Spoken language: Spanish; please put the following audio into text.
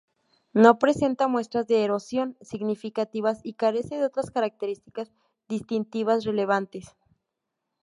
No presenta muestras de erosión significativas y carece de otras características distintivas relevantes.